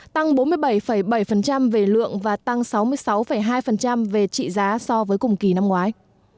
tăng bốn mươi bảy bảy về lượng và tăng sáu mươi sáu hai về trị giá so với cùng kỳ năm ngoái